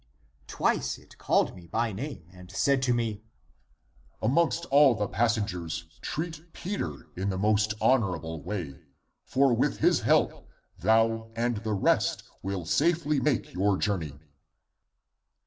Twice it called me by name, and said to me, ' Amongst all the passengers treat Peter in the most honorable Avay. For with his help, thou and the rest will safely make your jour ney.'